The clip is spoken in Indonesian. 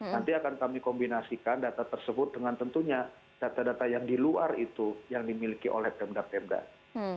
nanti akan kami kombinasikan data tersebut dengan tentunya data data yang di luar itu yang dimiliki oleh pemda pemda